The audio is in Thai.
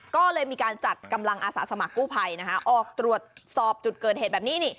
ก็เลยมีการจัดกำลังอาสาสมัครกู้ภัยออกตรวจสอบจุดเกิดเหตุแบบนี้นี่